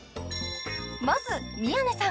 ［まず宮根さん］